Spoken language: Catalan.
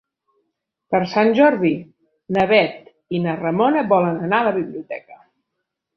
Per Sant Jordi na Bet i na Ramona volen anar a la biblioteca.